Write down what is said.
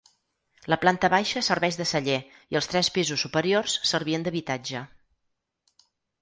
La planta baixa serveix de celler i els tres pisos superiors servien d'habitatge.